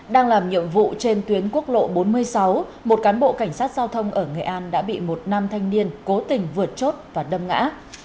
đang làm nhiệm vụ trên tuyến quốc lộ bốn mươi sáu một cán bộ cảnh sát giao thông ở nghệ an đã bị một nam thanh niên cố tình vượt chốt và đâm ngã